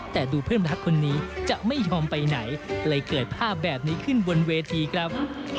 แต่ดูเพื่อนรักคนนี้จะไม่ยอมไปไหนเลยเกิดภาพแบบนี้ขึ้นบนเวทีครับ